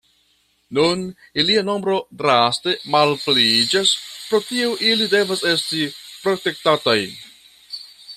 Nun ilia nombro draste malpliiĝas, pro tio ili devas esti protektataj.